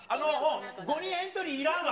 ５人エントリーいらんわ。